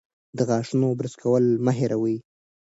د غاښونو برس کول مه هېروئ.